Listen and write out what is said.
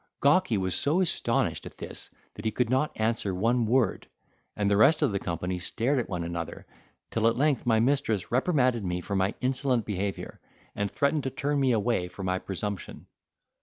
Gawky was so astonished at this that he could not answer one word, and the rest of the company stared at one another; till at length my mistress reprimanded me for my insolent behaviour, and threatened to turn me away for my presumption.